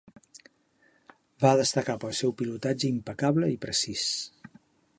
Va destacar pel seu pilotatge impecable i precís.